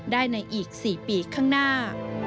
ได้ในอีก๔ปีข้างหน้า